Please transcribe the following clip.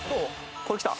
これきた！